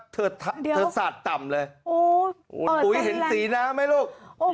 เธอสาดต่ำเลยคุณปุ๋ยเห็นสีน้ำไหมลูก